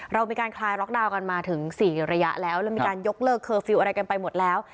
เรามีการคลายล็อกดาวน์กันมาถึง๔ระยะแล้วแล้วมีการยกเลิกเคอร์ฟิลล์อะไรกันไปหมดแล้ว